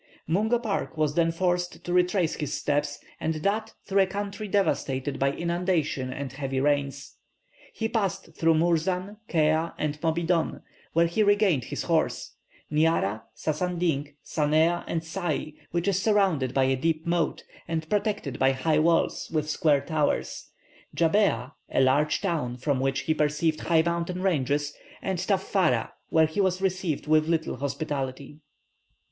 Mungo Park was then forced to retrace his steps, and that through a country devastated by inundation and heavy rains. He passed through Mourzan, Kea, and Modibon, where he regained his horse; Nyara, Sansanding, Samea, and Sai, which is surrounded by a deep moat, and protected by high walls with square towers; Jabbéa, a large town, from which he perceived high mountain ranges, and Taffara, where he was received with little hospitality.